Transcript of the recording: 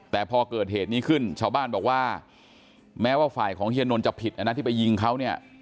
แต่พอเกิดเหตุนี้ขึ้นชาวบ้านบอกว่าแม้ว่าฝ่ายของเฮียนนท์จะผิดนะที่ไปยิงเขาเนี่ย